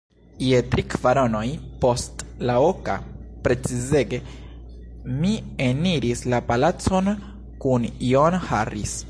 Je tri kvaronoj post la oka, precizege, mi eniris la palacon kun John Harris.